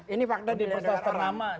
ini faktanya dari perusahaan